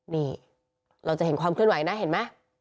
นี่เราจะเห็นความเคลื่อนไหวนะเห็นไหม